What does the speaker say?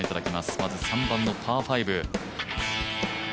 まず３番のパー５。